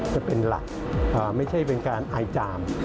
จะเป็นหลักไม่ใช่เป็นการอายจาม